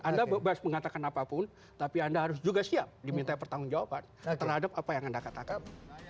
anda bebas mengatakan apapun tapi anda harus juga siap diminta pertanggung jawaban terhadap apa yang anda katakan